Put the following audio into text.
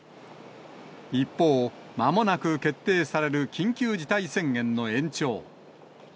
一方、まもなく決定される緊急事態宣言の延長。